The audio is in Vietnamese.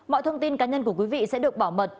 mọi thông tin cá nhân của quý vị sẽ được bảo mật